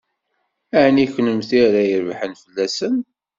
Ɛni d kennemti ara ydebbṛen fell-asen?